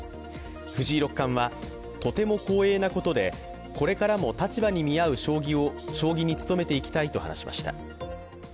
藤井六冠は、とても光栄なことでこれからも立場に見合う将棋に努めていきたいと話しました。